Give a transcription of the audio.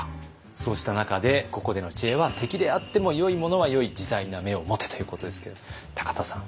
そうした中でここでの知恵は「敵であっても良いものは良い自在な目を持て！」ということですけれども田さん。